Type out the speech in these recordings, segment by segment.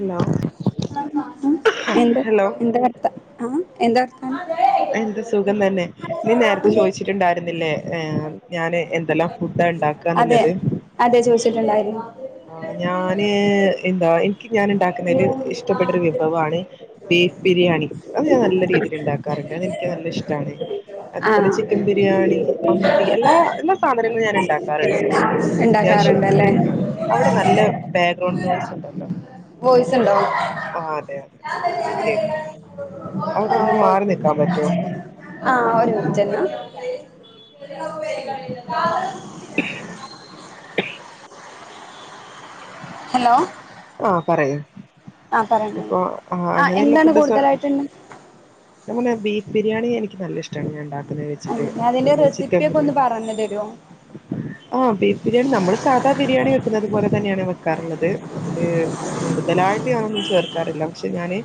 Hello എന്ത എന്ത വർ [unintelligible] ത്ത ആ എന്താ വർത്താനം എന്ത് സുഖം തന്നെ നീ നേരത്തെ ഉം ചോദിച്ചിട്ടുണ്ടായിരുന്നില്ലേ ഞാന് എന്തെല്ലാം ഫുഡാ അതെ ഇണ്ടാക്കാന്നുള്ളത് അതെ ചോദിച്ചിട്ടുണ്ടായിരുന്നു ആ ഞാന് എന്തുവാ ഞാൻ ഉണ്ടാക്കുന്നതില് ഇഷ്ടപ്പെട്ടൊരു വിഭവമാണ് ബീഫ് ബിരിയാണി അത് ഞാൻ നല്ല രീതിയിൽ ഉണ്ടാക്കാറുണ്ട് അതെനിക്ക് നല്ല ഇഷ്ടമാണ് ആ അതുപോലെ ചിക്കൻ ബിരിയാണി മന്തി എല്ലാ എല്ലാ സാധനങ്ങളും ഞാൻ ഇണ്ടാക്കാറുണ്ട് അത്യാവശ്യം ഇണ്ടാക്കാറുണ്ടല്ലേ അവിടെ നല്ല ബാക്ക്ഗ്രൗണ്ട് നോയിസ് ഉണ്ടല്ലോ വോയ്സിണ്ടാവു ആ അതെ അതെ [unintelligible] നന്നായിട്ട് കേൾക്കുന്നുണ്ട് അവിടന്നൊന്ന് മാറി നിക്കാൻ പറ്റുവോ ആ ഒരു മിനിറ്റ് എന്നാ ഹലോ ആ പറയൂ ആ പറഞ്ഞോളൂ അപ്പൊ ഏഹ് ആ അങ്ങനെയിള്ള എന്താണ് ഫുഡ്സ് കൂടുതലായിട്ടുണ്ട് എന്നാ പിന്നെ ബീ ബിരിയാണി എനിക്ക് നല്ല ഇഷ്ടാണ് ഞാൻ ഇണ്ടാ ക്കിന്ന് വെച്ചിട്ട്, അല്ല അതിന്റെ അതുപോലെ ചിക്കൻ റെസിപ്പിയൊക്കെ ഒന്ന് ബിരിയാണി, പറഞ്ഞു തരുവോ ആ ബീഫ് ബിരിയാണി നമ്മള് സാധാ ബിരിയാണി വെക്കുന്നത് പോലെ തന്നെയാണ് വെ ക്കാറുള്ളത് അതില് കൂടുതലായിട്ട് ഞാനൊന്നും ചേർക്കാറില്ല പക്ഷെ ഞാന്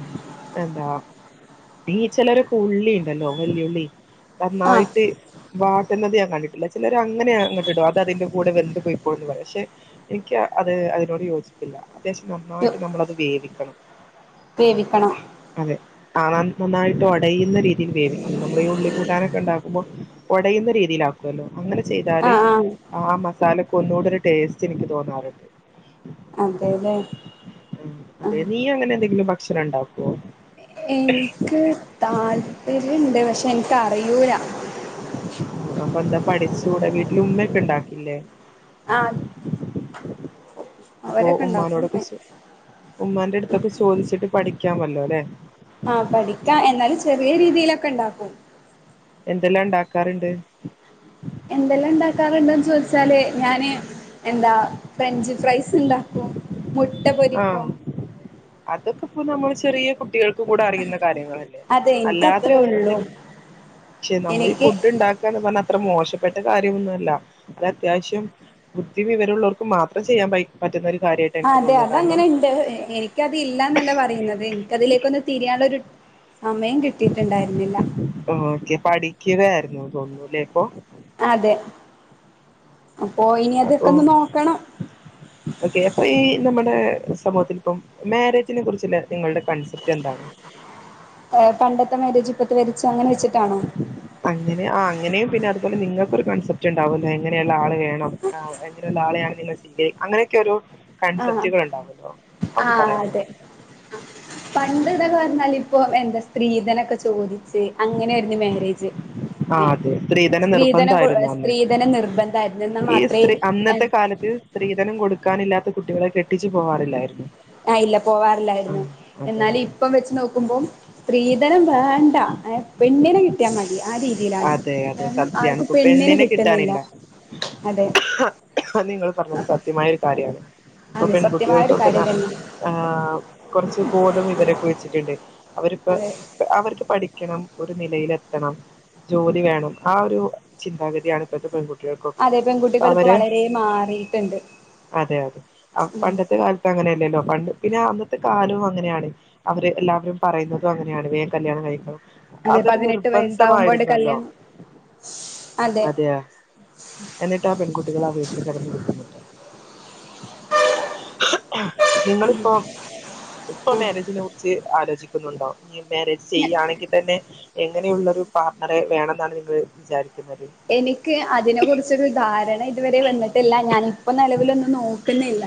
എന്താ ഈ ചിലരൊക്കെ ഉള്ളി ഇണ്ടല്ലോ വല്ല്യുള്ളി ആ നന്നായിട്ട് വാട്ടുന്നത് ഞാൻ കണ്ടിട്ടില്ല ചിലര് അങ്ങനെ അങ്ങട്ട് ഇടും, അത് അതിന്റെ കൂടെ വെന്ത് പൊയ്ക്കോളും പറയും പക്ഷെ എനിക്ക് അത് അ നോട് യോജിപ്പില്ല അത്യാവിശ്യം നന്നായിട്ട് യോ- നമ്മളത് വേവിക്കണം വേവിക്കണം അതെ കാണാൻ നന്നായി ഒടയുന്ന രീതിയിൽ വേവിക്കണം, നമ്മള് ഈ ഉള്ളി കൂട്ടാനൊക്കെ ഉണ്ടാക്കുമ്പോ ഒടയുന്ന രീതിയില് ആക്കുവല്ലോ അങ്ങനെ ആ ചെയ്താല് ആ ആ മസാല ഒന്നൂടൊരു ടേസ്റ്റ് നിക്ക് തോന്നാറുണ്ട് അതെല്ലേ ആ അതെ നീ അങ്ങനെ എന്തെങ്കിലും വ [unintelligible] ണ്ടാക്കോ? എനിക്ക് താല്പര്യം ണ്ട് പക്ഷേ എനിക്ക് അറിയൂരാ അപ്പൊ എന്താ പഠിച്ചുകൂടെ വീട്ടില് ഉമ്മയൊക്കെ ഉണ്ടാക്കില്ലേ? ആ അത് അപ്പൊ ഉമ്മാനോടൊക്കെ ചൊ ഉമ്മാന്റെ അടുത്തൊക്കെ ചോദിച്ചിട്ട് പഠിക് ത്യാ മൊല്ലോലേ ക്കെ ണ്ടാക്കും. എന്തെല്ലാ ണ്ടാകാറ്ണ്ട്? എന്തെല്ലാം ണ്ടാകാറ്ണ്ട് ന്ന് ചോയിച്ചാല് ഞാന് എന്താ ഫ്രഞ്ച് ഫ്രൈസ് ണ്ട ക്കും മുട്ട പൊരിക്കും പ്പം നമ്മളെ ചെറിയ കുട്ടികള് ക്കും കൂടെ അറിയുന്ന കാര്യങ്ങളല്ലേ. അതെ അല്ലാതെ എനിക്കത്രേ ഉള്ളൂ വേറെന്തെങ്കിലും ക്ഷെ നമ്മള് ഈ എനിക്ക് ഫുഡ്‌ ണ്ടാക്കാന്നർഞ്ഞൽ അത്ര മോശ് ഇപ്പയ്ത്തെ കാര്യവൊന്നുല്ല ഒരത്യാവിശ്യം ബുദ്ധി വിവരം ള്ളോർക്ക് മാത്രം ചെയ്യാൻ പൈ പറ്റുന്ന ഒരു കാര്യായിട്ടാ എനിക്ക് അതെ തോന്നുന്നേ അതങ്ങനെ ഇണ്ട് എനിക്കതില്ലാനല്ല പറയുന്നത് എനിക്കതിലേക്കൊന്ന് തിരിയാനുള്ള ഒ രു സമയം കിട്ടിയിട്ടുണ്ടായിരുന്നില്ല ക്കുവാരുന്നുന്ന് തോന്നുല്ലേ ഇപ്പൊ അതെ അപ്പോ ഇനി അപ്പൊ അതൊക്കെ ഒന്ന് നോക്കണം ഇപ്പ സമൂഹത്തിലിപ്പം മാര്യേജിനെ കുറിച്ചുള്ള നിങ്ങളുടെ കൺസെപ്റ്റ് എന്താണ് പണ്ടത്തെ ത്തെ മാര്യേജ് ഇപ്പഴത്തെ മാര്യേജ് അങ്ങനെ വെച്ചിട്ടാണോ? അങ്ങനെ ആ അങ്ങനെയും പിന്നെ അത് അത്പോലെ നിങ്ങൾക്ക് ഒരു കോൺസെപ്റ്റ് ഉണ്ടാകുമല്ലോ എങ്ങനെ ഉള്ള ആള് വേണം എങ്ങനെ ഉള്ള ആളെയാണ് നിങ്ങൾ സ്വീകരിക്കു അങ്ങനെക്കെ ഒരു ആഹ് കോൺസെപ്റ്റുകൾ ഉണ്ടാകുമല്ലോ അതൊന്ന് ആഹ് പറയാമോ അതെ പണ്ട് ഇതേ [unintelligible] ഇപ്പൊ എന്താ സ്ത്രീധനം ഒക്കെ ചോദി [unintelligible] ആ ഏഹ് അതെ സ്ത്രീധനം കൊ നിർബന്ധമായിരുന്നു അന്ന്. സ്ത്രീധനം നിർബന്ധമായിരുന്നു എന്നാ ഇ മാത്രേ സ്ത്രീ അന്നത്തെ ആഹ് കാലത്ത് സ്ത്രീധനം കൊടുക്കാനില്ലാത്ത കുട്ടികളെ കെട്ടിച്ച് പോകാറില്ലായിരുന്നു. ആഇല്ല പോകാറില്ലായിരുന്നു. അതെ എന്നാലിപ്പം വെച്ച് നോക്കുമ്പം സ്ത്രീധനം വേണ്ട. എ പെണ്ണിനെ കിട്ടിയാ മതി. ആ രീതിയിലാണ് അതെ അതെ കാരണം സത്യാണ്. ആർക്കും ഇപ്പം പെണ്ണിനെ കിട്ടുന്നില്ല കിട്ടാനില്ല. അതെ നിങ്ങൾ പറഞ്ഞത് സത്യമായ ഒരു കാര്യമാണ്. ഇപ്പം അതെ സത്യമായ പെൺകുട്ടികൾക്ക് ഒരു ഒക്കെ നാ കാര്യം തന്നെ ആ കൊറച്ച് ബോധം വിവരൊക്കെ വെച്ചിട്ടുണ്ട്. അവരിപ്പം അതെ അവർക്ക് പഠിക്കാ പഠിക്കണം ഒരു നിലയിലെത്തണം. ജോലി വേണം ആ ഒരു ചിന്താഗതിയാണ് ഇപ്പത്തെ പെൺകു കുട്ടികൾക്ക് ഒക്കെ അതെ പെൺകുട്ടികൾ ഇപ്പോ അവര് വളരെ മാറിയിട്ടുണ്ട് അതെ അതെ ഉം പണ്ടത്തെ കാലത്ത് അങ്ങനെയല്ലല്ലോ തണ്ട്, പിന്നെ അന്നത്തെ കാലവും അങ്ങനെ യാണ്. അവര് എല്ലാവരും പറയുന്നതും അങ്ങനെ യാണ്. വേഗം കല്യാണം കഴിക്കണം അതെ അതൊരു പതിനെട്ട് [inaudible] വയസാവുമ്പഴേ അതെയ എന്നിട്ട് ആ പെൺകുട്ടികൾ ആ വീട്ടിൽ കിടന്ന് ബുദ്ധിമുട്ട നിങ്ങളിപ്പം ഇപ്പൊ ആഹ് മാരേജിനെ കുറിച്ചു ആലോചിക്കുന്നുണ്ടോ ഇനിമാരേജ് ഞ ചെയ്യുകയാണെങ്കിൽ തന്നെ എങ്ങനെയുള്ള ഇരു പാർ [unintelligible] വേണമെന്നാണ് നിങ്ങൾ വിചാരിക്കുന്നത്. എനിക്ക് അതിനെ കുറിച്ചൊരു ധാരണ ഇതുവരെ വന്നിട്ടില്ല, ഞാനിപ്പൊ നിലവിലൊന്നും നോക്കുന്നില്ല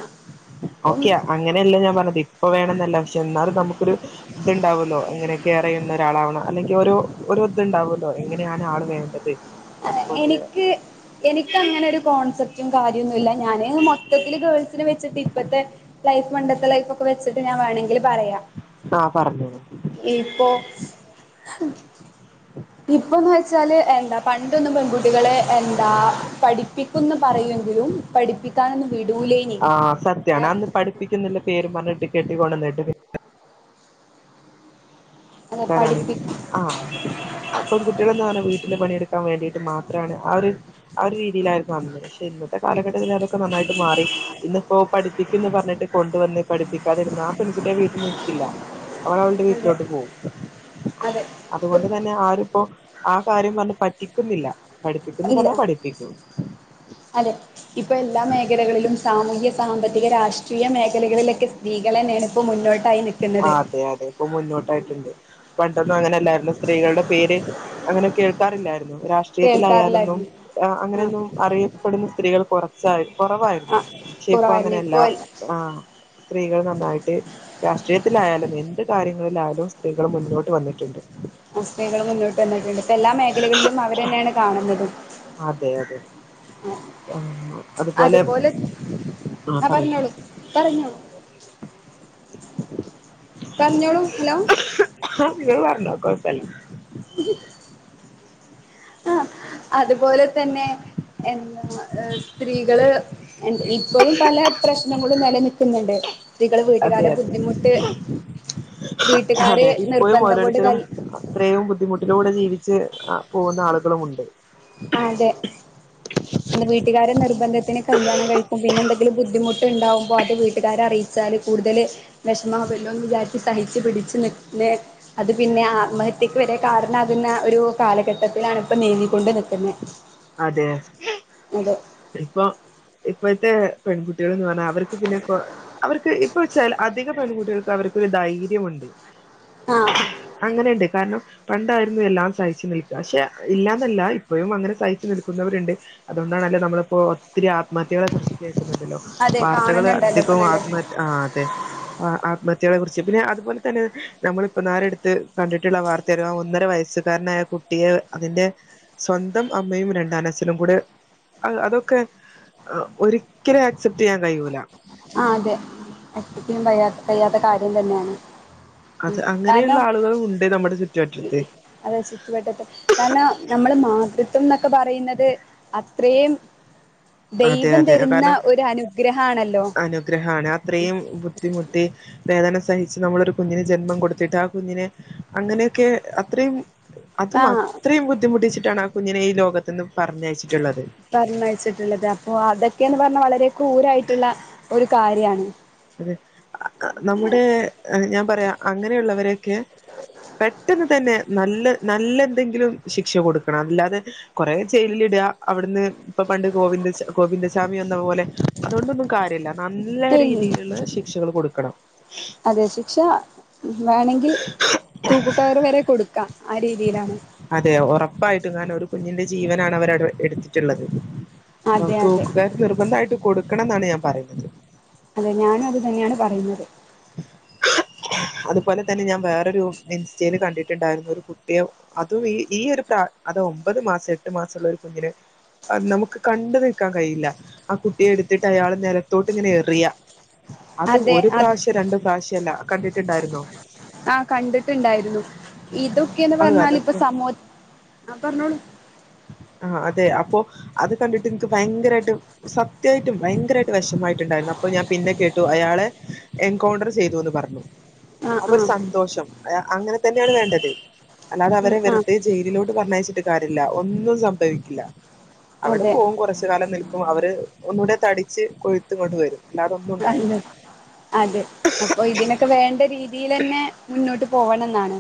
അപ്പം ഓക്കെയ അങ്ങനെയല്ല ഞാൻ പറഞ്ഞത് ഇപ്പൊ വേണെന്നല്ല പക്ഷെ, എന്നാലും നമുക്കൊരു ഇത്ണ്ട് ഉണ്ടാവല്ലോ അങ്ങനെ കെയർ ചെയ്യുന്ന ഒരാളാവണം അല്ലെങ്കിൽ ഒരു ഓരോ ഇത്ണ്ടാവുമല്ലോ എങ്ങനെയാണ് ആൾ വേണ്ടത് അതുപോലെ എനിക്ക് എനിക്കങ്ങനെ ഒരു കോൺസെപ്റ്റ് റ്റ് കാര്യൊന്നുമില്ല ഞാന് മൊത്തത്തില് ഗേൾസിനെ വെച്ച് ച്ചിട്ട് ഇപ്പത്തെ ലൈഫ് പണ്ടത്തെ ലൈഫ് ഒക്കെ വെച്ചിട്ട്ഞാൻ വേണെങ്കില് പറയാം ആ പറഞ്ഞോളൂ ഇപ്പോ ഇപ്പൊന്ന് വെച്ചാല് എന്താ പണ്ടൊന്നും പെൺകുട്ടികളെ എ ന്താ പഠിപ്പിക്കുന്ന് പറയുവെങ്കിലും പഠിപ്പിക്കാനൊന്നും വിടൂലേനി ആ ഏ ട്ട് കെട്ടി കൊണ്ടന്നിട്ട് പിന്നെ അതെ ക്കാനാണ് പഠിപ്പി ആ അ പ്പെകുട്ടികളന്ന് പറഞ്ഞാ വീട്ടിലെ പണിയെടുക്കാൻ വേണ്ടി ട്ട് മാത്രാണ് ആ ഒരു ആ ഒരു രീതിയിലായിരുന്നു അന്ന് പക്ഷെ ഇന്നി പ്പൊ കാലഘട്ടത്തില് അതൊക്കെ നന്നായിട്ട് മാറി ഇന്നിപ്പോ പഠിപ്പിക്കുംന്ന് പറഞ്ഞിട്ട് കൊണ്ടുവന്ന് പഠിക്കാതിരുന്ന ആ പെൺകുട്ടി ആ വീട്ടിൽ നിൽക്കില്ല അവൾ അവളുടെ അതെ വീട്ടിലോട്ട് പോവും അതെ അതുകൊണ്ട് തന്നെ ആരിപ്പോ ആ കാര്യം പറഞ്ഞ് പറ്റിക്കുന്നില്ല പഠിപ്പിക്കുന്ന് ഇൽ പറഞ്ഞാൽ അ പഠിപ്പിക്കും അതെ ഇപ്പൊ എല്ലാ മേഖലകളിലും സാമൂഹ്യ സാമ്പത്തിക രാഷ് ട്രീയ മേഖലകളിലെക്കെ സ്ത്രീകളെന്നേണ്പ്പൊ മുന്നോ ആ അതെ അതെ ഇപ്പൊ മുന്നോട്ടായിട്ട്ണ്ട് പണ്ടൊന്നും അങ്ങനെല്ലാര് ന്നു സ്ത്രീകൾടെ പേര് അങ്ങനെ കേൾ ക്കാറില്ലായ്ര്ന്നു രാഷ്ട്രീയത്തിലായാലൊന്നും കേൾക്കാറില്ലായിരുന്നു അ ആഹ് അങ്ങനെയൊന്നും അറിയപ്പെട്ന്ന സ്ത്രീകൾ കാെറ സായ് കൊറവായ്ര്ന്നു ആഹ് പക്ഷെ ഇപ്പൊ കുറവായിരുന്നു ഇപ്പോ അങ്ങനെയല്ലാ ആ സ്ത്രീകൾ നന്നായിട്ട് രാഷ് ഷയത്തിലായാലും എന്ത് കാര്യങ്ങൾലായലും സ്ത്രീകൾ മുന്നോട്ട് വന്നിട്ട്ണ്ട് അ സ്ത്രീകൾ മുന്നോട്ട് വന്നിട്ട്ണ്ട് ഇപ്പൊ എല്ലാ മേഖലകൾലും അവരെന്നെയാണ് കാണ്ന്നതും അതെ അതെ ആ അതുപോലെ ആ ആഹ് പറയൂ പറഞ്ഞോളൂ പറഞ്ഞോളൂ പറഞ്ഞോളൂ ഹലോ നിങ്ങൾ പറഞ്ഞാേ കാെഴ് പറയൂ ആ അത്പോലെ തന്നെ എന്താ ഏ സ്ത്രീകള് എ ഇപ്പഴും പല പ്രശ്നങ്ങളും നെലനിൽ തിന്ന്ണ്ട് അതെ അതെ വീട്ടുകാര് അതെ ഇപ്പഴും നിർബന്ധം കൊണ്ട് ഓരോരുത്തരും കൽ അത്രയും ബുദ്ധിമുട്ടിലൂടെ ജീവിച്ച് അ പോകുന്ന ആളുകളുമുണ്ട് ആ അതെ എന്നാ വീട്ടുകാര് നിർ നിബന്ധത്തിന് കല്യാണം കഴിക്കും പിന്നെ എന്തെങ്കിലും ബുദ്ധിമുട്ട് ഉണ്ടാകുമ്പോൾ അത് വീട്ടുകാരെ അറിയിച്ചാൽ കൂടുതൽ വിഷമാവല്ലോ വിചാരിച്ച് സഹിച്ചു പിട്ച് നിന്ന് അത് പിന്നെ ആത്മഹത്യക്ക് വരെ കാരണാകുന്ന ഒരു കാലഘട്ടത്തിലാണ് ഇപ്പോ നീങ്ങികൊണ്ട് നിക്കുന്നത് പിന്നെ അതെ ഇപ്പൊ ഇപ്പഴത്തെ പെൺകുട്ടികള് കാണാ അവർക്ക് പിന്നെ കൊ അവർക്ക് ഇപ്പ വെച്ചാൽ അധിക പെൺകുട്ടികൾക്ക് അവർ ഒര് ധൈര്യമുണ്ട് ആ അങ്ങനെണ്ട് കാരണം പണ്ടായിര്ന്നു എല്ലാം സഹിച്ചു നിൽക്ക പക്ഷെ ഇല്ലാന്നല്ല ഇപ്പഴുംഅങ്ങനെ സഹ് നിൽകുന്നവരുണ്ട് അതുകൊണ്ടണല്ലോ നമ്മളിപ്പോ ഒത്തിരി ആത്മഹത്യകളെ കുറിച് ല്ലോ അതെ വാർത്തകൾ കാണുന്നുണ്ടല്ലോ ഇപ്പൊ അധികം നല്ല ആത്മത് ആ അതെ ആത്മ ട്ട്യേളെ കുർച്ച് പിന്നെ അതുപോലെ തന്നെ നമ്മളിപ്പൊന്നാരെട്ത്ത് കണ്ടിട്ടുള്ള വാർത്തയരുന്നു ഒന്നര വയസ്സുകാരനായ കുട്ടിയെ അതിന്റെ സ്വന്തം അമ്മ അമ്മയും രണ്ടനഛനും കൂടെ അഹ് അതൊക്കെ ഒരിക്കലും ആക്സെപ്റ്റെയ്യാൻ കഴിയൂല ആ അതെ ഒറ്റക്കും പയ പയ്യാത്ത കാര്യം തന്നെയാണ് ഉം അത് അങ്ങനെയുള്ള കാരണം ആളുകളും ഉണ്ട് നമ്മുടെ ചുറ്റുവറ്റത്ത് അതെ ചുറ്റുവട്ടത്തെ കാ നം നമ്മൾ മാതൃത്വംന്ന ക്കെ പറയുന്നത് അ ത്രേം അതെ ദൈവം അതെ തരുന്ന ഒരു അനുഗ്രഹ ആണല്ലോ ഗ്രഹമാണ് അത്രയും ബുദ്ധിമുട്ടി വേദന സഹിച്ച് നമ്മളൊരു കുഞ്ഞിന് ജന്മം കൊടുത്തിട്ട് ആ കുഞ്ഞിനെ അങ്ങനെയൊക്കെ അത്രയും അതും ആഹ് അത്രയും ബുദ്ധിമുട്ടിച്ചിട്ടാണാ കുഞ്ഞിനെ ഈ ലോകത്ത്ന്ന് പറഞ്ഞയച്ച് പറഞ്ഞയച്ചിട്ടുള്ളത് അ പ്പൊ അതൊക്കെന്ന് പറഞ്ഞ വളരെ ക്രൂരായിട്ടുള്ള ഒരു കാര്യാണ്. അതെ അ നമ്മുടെ ഞാൻ പറയാ അങ്ങനെയുള്ളവരൊക്കെ പെട്ടെന്ന് തന്നെ നല്ല നല്ല എന്തെങ്കിലും ശിക്ഷ കൊടു ക്കണം അല്ലാതെ കൊറെ ജയിലിലിടാ അവിടുന്ന് ഇപ്പൊ പണ്ട് ഗോവിന്ദ ചാ ഗോവിന്ദ ചാമി വന്ന പോലെ അതൊണ്ടൊന്നും കാര്യല്ല. നല്ല രീ ശരിയും യ്യ്ല്ള്ളെ ശിക്ഷകൾ കൊടു ക്കണം. അതെ ശിക്ഷ വേണെങ്കി തൂക്കുകയറ് വരെ കൊടുക്കാ ആ രീതിയിലാണ് അതെ ഒറപ്പായിട്ടു ന്നാലൊരു കുഞ്ഞിൻ്റെ ജീവനാണ് അവരടെ എടുത്തിട്ടുള്ളത് ന്നൊ അതെ അതെ തൂക്കുകയർ നിർബന്ധായിട്ട് കൊടു ക്കണം ന്നാണ് ഞാൻ പറയുന്നത് അതെ ഞാനും അത് തന്നെയാണ് പറയുന്നത് അതുപോലെ തന്നെ ഞാൻ വേറൊരു ഇൻസ്റ്റേല് കണ്ടിട്ടുണ്ടായിരുന്നു ഒരു കുട്ടിയെ അതും ഈ ഈ ഒരു പ്ര അത് ഒമ്പത് മാസം എട്ട് മാസം ഉള്ള ഒരു കുഞ്ഞിനെ അ നമുക്ക് കണ്ടു നിൽക്കാൻ കഴിയില്ല. ആ കുട്ടിയെ എടുത്തിട്ട് അയാള് നിലത്തോട്ട് ഇങ്ങനെ എറിയ അത് അതെ ഒരു അ പ്രാവശ്യം രണ്ട് പ്രാവശ്യല്ല കണ്ടിട്ടുണ്ടായിരുന്നോ ആഹ് കണ്ടിട്ടുണ്ടായിരുന്നു ഇതൊക്കെന്ന് അത് പറഞ്ഞാൽ പ്പ അതൊക്കെ സമൂഹ ആ പറഞ്ഞോളു അപ്പോ അത് കണ്ടിട്ട് ൻക്ക് ഭയങ്കരായിട്ട് സത്യായിട്ടും ഭയങ്കര യിട്ട് വെഷമായിട്ടുണ്ടായിരുന്നു അപ്പോ ഞാൻ പിന്നെ കേട്ടു അയാളെ എൻകൗണ്ടർ ചെയ്തു എന്ന് പറഞ്ഞു ആ ആ അവർ സന്തോഷം അയ അങ്ങനെ തന്നെയാണ് വേണ്ടത് അല്ലാതെ ഉം അവര് ആ വെറുതെ ജയിലിലോട്ട് പറഞ്ഞയച്ചിട്ട് കാര്യ ല്ല ഒന്നും സം ഭവിക്കില്ല അവിടെ അതെ പോവും കുറച്ച് കാലം നിൽക്കും അവര് ഒന്നൂടെ തടിച്ച് കൊഴുത്ത് ഇങ്ങോട്ട് വരും അല്ലാതെ ഒന്നും ഉണ്ടാവില്ല [unintelligible] അതെ അപ്പൊ ഇതിനൊക്കെ വേണ്ട രീത് തീലെന്നെ മുൻ ന്നോട്ട് പോകണം ന്നാണ്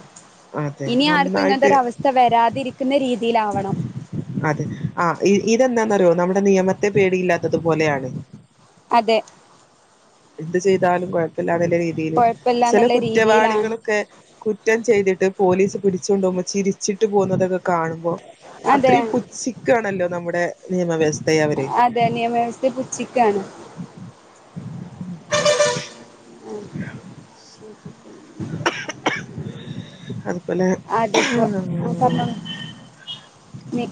അതെ ഇനി ആർക്കും നന്നായിട്ട് ഇങ്ങനത്തെര അവസ്ഥ വരാതിരിക്കുന്ന രീത് തിലാവണം അതെ ആ ഇ ഇതെന്താന്നറിയോ നമ്മള് നിയമത്തെ പേടിയില്ലാത്തതുപലെയാണ് അതെ എന്ത് ചെയ്താലും കുഴപ്പല്ലാത് നല്ല രീതിയിൽ ചില കൊഴപ്പല്ലാന്നുള്ള രീതിയിലാണ് കുറ്റവാളികളൊക്കെ കുറ്റം ചെയ്തിട്ട് പോലീസ് പിടിച്ചോണ്ട് ഓഉമ്പോ ചിരിച്ചിട്ട് പോഉന്നതെതെ കാണുമ്പോ അതെ അത്രയും പുച്ഛിക്കാണല്ലോ നമ്മുട് ടെ നിയമവ്യസ് അതെ നിയമവ്യവസ്ഥ പുച്ചിക്കാണ് ഉ [unintelligible] ഇ [inaudible] അത് പൊലെ അതിപ്പോ ആ പറഞ്ഞോളൂ നി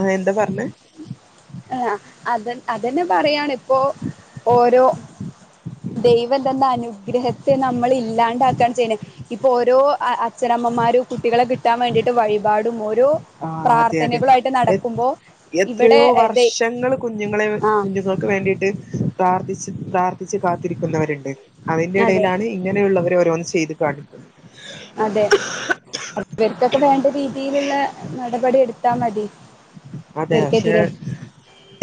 ആ എന്താ പർഞ്ഞേ? ആ അതെ അതെന്നെ പറയാണിപ്പോ ഓരോ ദൈവം തന്നെ അനുഗ്രഹത്തെ നമ്മളില്ലാണ്ടാക്കാണ് ചെയ്യണേ ഇപ്പൊ ഓരോ അച്ഛനമ്മമാരും കുട്ടികളെ കിട്ടാൻ വേണ്ടിയിട്ട് വഴിപാടും ഓ രു ആ അതെ അതെ പ്രാർത്ഥനകളായിട്ട് നടക്കുമ്പോ ഇവിടെ ദ ഷങ്ങൾ കുഞ്ഞുങ്ങളെ ആഹ് കുഞ്ഞുങ്ങൾക്ക് വേണ്ടിട്ട് പ്രാർത്ഥിച്ച് പ്രാർത്ഥിച്ച് കാത്തിരിക്കുന്നവര്ണ്ട് അതെ അതിന്റെടെലാണ് ഇങ്ങനെയുള്ളവര് ഓരോന്ന് ചെയ്ത് കാട്ടിക്കു അതെ അ ഇവർക്കൊക്കെ വേണ്ട രീതിയിലുള്ള നടപടി എടു ത്താ മതി അതെ പക്ഷെ ഇവർക്കെതിരെ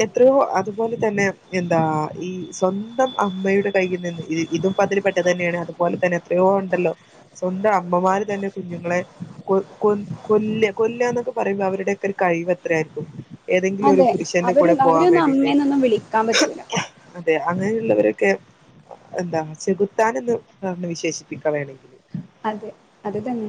എത്രയോ അതുപോലെ തന്നെ എന്താ ഈ സ്വന്തം അമ്മയുടെ കയ്യിൽ നിന്ന്ഇത് ഇതുംപ്പതിൽ പെട്ടതന്നെയാണ് അതുപോലെ തന്നെ എത്രയോ ഉണ്ടല്ലോ സ്വന്തം അമ്മമാര് തന്നെ കുഞ്ഞുങ്ങളെ കൊ കൊ കൊല്ല കൊല്ല എന്നൊക്കെ പറയുമ്പോ അവരുടെയൊക്കെ ഒരു കഴിവ ത്രയാരിക്കും? ഏതെങ്കിലും ഒരു അതെ പുരുഷന്റെ അവര് കൂടെ പോകൻ അവരൊന്നും വേണ്ടിട്ട് അമ്മേന്നൊന്നും വിളിക്കാൻ പറ്റൂല അതെ അങ്ങനെയുള്ളവരെ ക്കെ എന്താ ചെുകുത്താൻ എന്ന് പറഞ്ഞ് വിശേഷിപ്പിക്ക വേണെങ്കിൽ. അതെ അത് തന്നെ.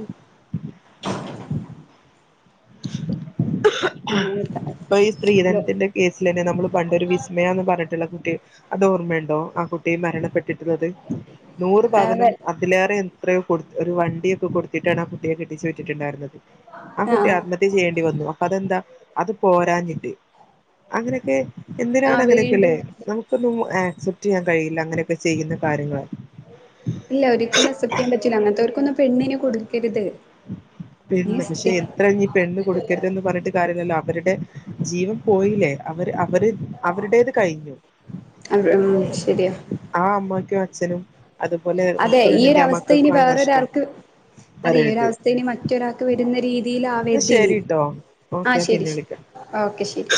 ഏഹ് ഇപ്പൊ ഈ ലോ സ്ത്രീധനത്തിന്റെ കേസിൽ തന്നെ നമ്മൾ പണ്ടൊരു വിസ്മയന്ന് പറഞ്ഞിട്ടുള്ള കുട്ടി അത് ഓർമ്മയുണ്ടോ ആ കുട്ടി മരണപ്പെട്ടിട്ടുള്ളത് നൂറ് പവനം അതിലേറെ എത്രയോ കൊടു ഒരു വണ്ടിയൊക്കെ കൊടുത്തിട്ടാണ് ആ കുട്ടിയെ കെട്ടിച്ചു വിട്ടിട്ടുണ്ടായിരുന്നത്. ആ കു ആത്മത്യ ചെയ്യേണ്ടി വന്ന അപ്പൊ അതെന്താ? അത് പോരാഞ്ഞിട്ട് അങ്ങനെയൊക്കെ എന്തിനാണ് ആഹ് അങ്ങനെയൊക്കെല്ലേ വീണ്ടും നമുക്കൊന്നും ആ അക്‌സെപ്റ് ചെയ്യാൻ കഴിയില്ല അങ്ങനെയൊക്കെ ചെയ്യുന്ന കാര്യങ്ങൾ ഇല്ല ഒരിക്കലും അസെപ്റ്റ് ചെയ്യാൻ പറ്റില്ല അങ്ങനത്തെവർക്കൊന്നും പെണ്ണിനെ കൊടുക്കരുത് നീ പെണ്ണ് പക്ഷെ സ്ത്രീ എത്ര ഇനി പെണ്ണ് കൊടുക്കരുതന്ന് പറഞ്ഞിട്ട് കാര്യമല്ലോ അവരുടെ ജീവൻ പോയില്ലേ അവര് അവര് അവരുടേത് കഴിഞ്ഞു ഉം ശരിയാ ആഹ് അമ്മക്ക് [unintelligible] അതുപോലെ അതെ ഈ ഒരു മക്കളുണ്ടെങ്കി ആ അവസ്ഥ ഇനി മക്കൾക്കുമാണ് നഷ്ടം വരരുത് ഇത് ഇനി മറ്റൊരാൾക്ക് വരുന്ന രീതിൽ ആവരുത് ഇനി ശരിട്ടോ ആ ഓക്കെ ശരി പിന്നെ ശരി വിളിക്കാം ഓക്കെ ശരി